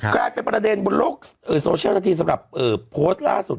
กลายเป็นประเด็นบนโลกโซเชียลทันทีสำหรับโพสต์ล่าสุด